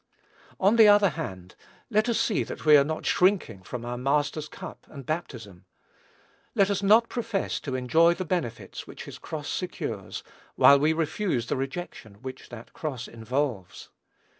On the other hand, let us see that we are not shrinking from our Master's cup and baptism. Let us not profess to enjoy the benefits which his cross secures, while we refuse the rejection which that cross involves.